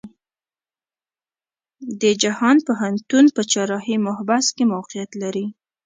جهان پوهنتون په چهارراهی محبس کې موقيعت لري.